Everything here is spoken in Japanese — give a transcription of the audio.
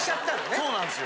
そうなんですよ。